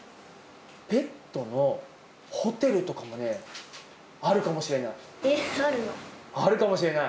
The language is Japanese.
ペットのホテルとかもね、あるかもしれない。